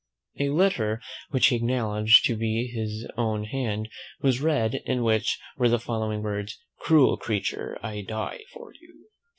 A letter, which he acknowledged to be his own hand, was read, in which were the following words, "Cruel creature, I die for you."